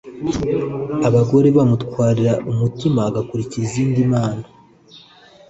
abagore be bamutwara umutima agakurikiza izindi mana